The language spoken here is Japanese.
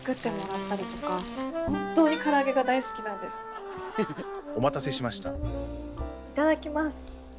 いただきます。